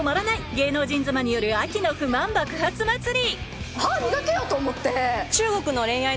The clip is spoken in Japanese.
芸能人妻による秋の不満爆発祭り！